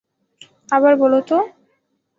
আবার বলো তো।